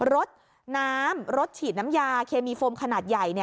รถน้ำรถฉีดน้ำยาเคมีโฟมขนาดใหญ่